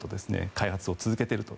開発を続けていると。